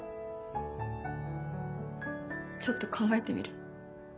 ちょっと考えてみる。